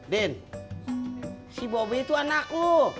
din si bobby itu anak lu